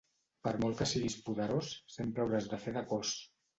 Per molt que siguis poderós, sempre hauràs de fer de cos.